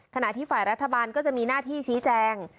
ขณะที่ฝ่ายรัฐบาลก็จะมีหน้าที่ชี้แจง